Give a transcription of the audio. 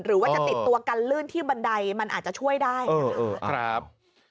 หรือว่าจะติดตัวกันลื่นที่บันไดมันอาจจะช่วยได้นะครับ